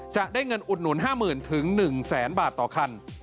จะได้เงินอุดหนุน๕๐๐๐๑๐๐๐บาทต่อคัน